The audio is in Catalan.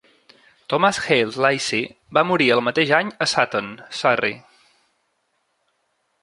Thomas Hailes Lacy va morir el mateix any a Sutton, Surrey.